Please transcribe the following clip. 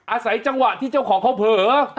อาศัยจังหวะที่เจ้าของเขาเผลอ